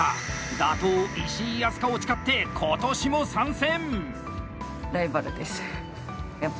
打倒、石井あすかを誓って今年も参戦！